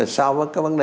so với cái vấn đề